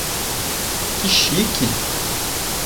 Que chique!